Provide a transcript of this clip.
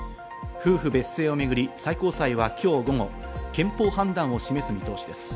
夫婦別姓をめぐり最高裁は今日午後、憲法判断を示す見通しです。